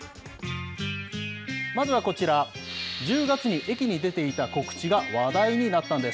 まずはこちら、１０月に駅に出ていた告知が、話題になったんです。